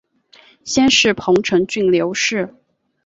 先世彭城郡刘氏。